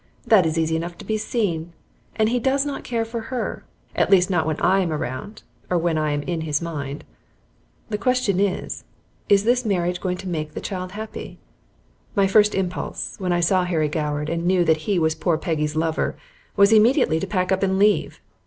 that is easy enough to be seen, and he does not care for her, at least not when I am around or when I am in his mind. The question is, is this marriage going to make the child happy? My first impulse, when I saw Harry Goward and knew that he was poor Peggy's lover, was immediately to pack up and leave.